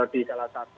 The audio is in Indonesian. di salah satu asrama